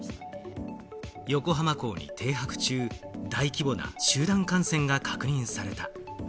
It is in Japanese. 横浜港に停泊中、大規模な集団感染が確認された。